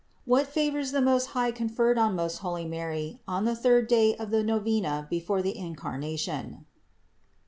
WHAT FAVORS THE MOST HIGH CONFERRED ON MOST HOIvY MARY ON THE THIRD DAY OF THE NOVENA BEFORE THE INCARNATION.